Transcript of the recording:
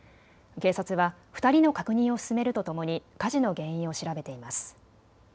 警察は２人の確認を進めるとともに火事の原因を調べています。